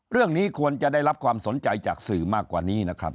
เรื่องนี้ควรจะได้รับความสนใจจากสื่อมากกว่านี้นะครับ